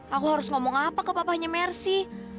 aku harus ngomong apa ke papahnya mercy